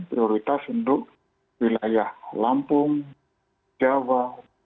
prioritas untuk wilayah lampung jawa